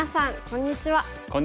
こんにちは。